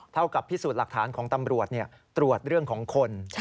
เท่ากับพิสูจน์หลักฐานของตำรวจตรวจเรื่องของคน